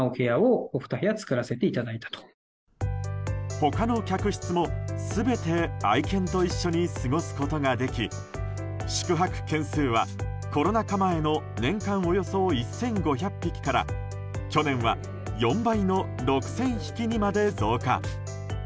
他の客室も、全て愛犬と一緒に過ごすことができ宿泊「犬」数はコロナ禍前の年間およそ１５００匹から去年は４倍の６０００匹にまで増加。